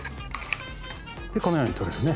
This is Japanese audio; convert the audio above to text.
でこのように取れるね。